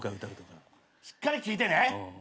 しっかり聴いてね。